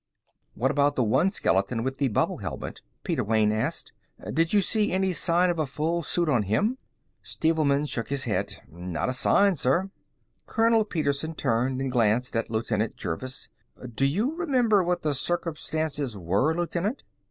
"What about the one skeleton with the bubble helmet?" Peter Wayne asked. "Did you see any sign of a full suit on him?" Stevelman shook his head. "Not a sign, sir." Colonel Petersen turned and glanced at Lieutenant Jervis. "Do you remember what the circumstances were, Lieutenant?"